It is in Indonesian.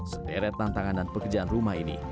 sederet tantangan dan pekerjaan rumah ini